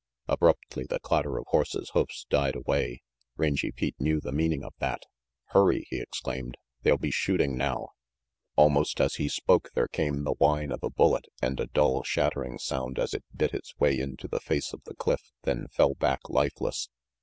Abruptly the clatter of horses' hoofs died away. Rangy Pete knew the meaning of that. "Hurry," he exclaimed. "They'll be shooting now ': Almost as he spoke, there came the whine of a bullet and a dull, shattering sound as it bit its way into the face of the cliff, then fell back lifeless.